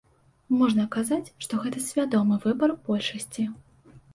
Можна казаць, што гэта свядомы выбар большасці.